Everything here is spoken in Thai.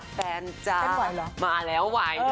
แฟนจะมาแล้ว